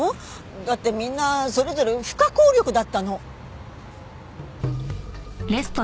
だってみんなそれぞれ不可抗力だったの。